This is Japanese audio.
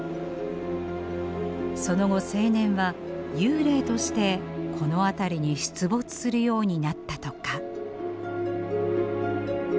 その後青年は幽霊としてこの辺りに出没するようになったとか。